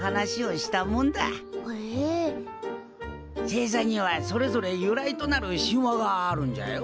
星座にはそれぞれ由来となる神話があるんじゃよ。